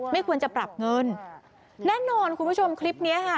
ไม่ควรจะปรับเงินแน่นอนคุณผู้ชมคลิปนี้ค่ะ